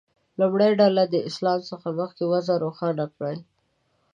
لومړۍ ډله دې د اسلام څخه مخکې وضع روښانه کړي.